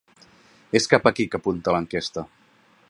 És cap aquí que apunta l’enquesta.